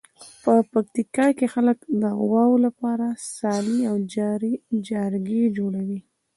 په پکتیکا کې خلک د غواوو لپاره څالې او جارګې جوړوي.